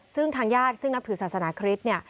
ซึ่งทางญาติซึ่งนับถือศาสนาคริสต์เนี่ย